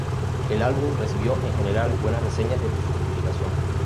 El álbum recibió en general buenas reseñas desde su publicación.